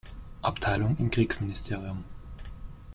Abteilung im Kriegsministerium.